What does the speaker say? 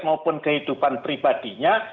maupun kehidupan pribadinya